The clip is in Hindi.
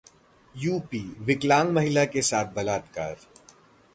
यूपीः विकलांग महिला के साथ बलात्कार